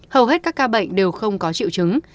hầu hết các ca bệnh đều không có triệu chứng